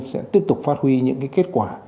sẽ tiếp tục phát huy những kết quả